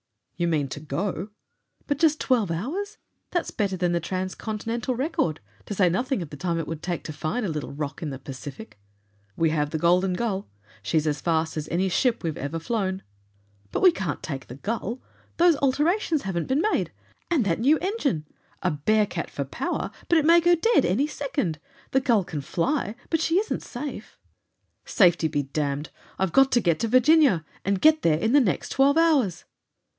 "You mean to go? But just twelve hours! That's better than the transcontinental record to say nothing of the time it would take to find a little rock in the Pacific!" "We have the Golden Gull! She's as fast as any ship we've ever flown." "But we can't take the Gull! Those alterations haven't been made. And that new engine! A bear cat for power, but it may go dead any second. The Gull can fly, but she isn't safe!" "Safety be damned! I've got to get to Virginia, and get there in the next twelve hours!"